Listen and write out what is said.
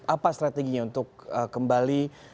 apa strateginya untuk kembali